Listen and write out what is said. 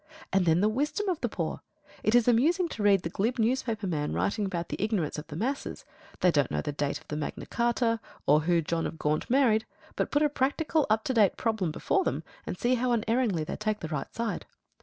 And then the wisdom of the poor! It is amusing to read the glib newspaper man writing about the ignorance of the masses. They don't know the date of Magna Charta, or whom John of Gaunt married; but put a practical up to date problem before them, and see how unerringly they take the right side.